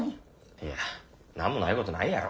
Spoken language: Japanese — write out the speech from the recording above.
いや何もないことないやろ。